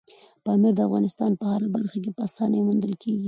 پامیر د افغانستان په هره برخه کې په اسانۍ موندل کېږي.